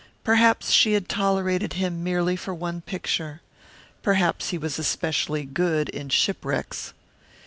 Perhaps she had tolerated him merely for one picture. Perhaps he was especially good in shipwrecks.